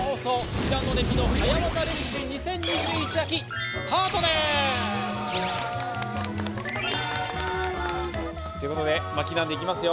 「平野レミの早わざレシピ２０２１秋」スタートです！ということで巻きなんでいきますよ。